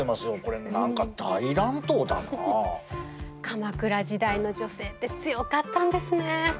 鎌倉時代の女性って強かったんですね。